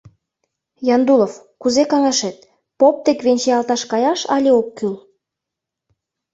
Яндулов, кузе каҥашет: поп дек венчаялташ каяш але ок кӱл?